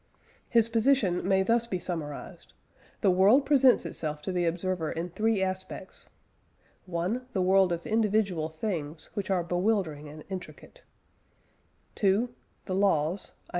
His position may thus be summarised: The world presents itself to the observer in three aspects (1) The world of individual "things," which are bewildering and intricate; (2) the laws (i.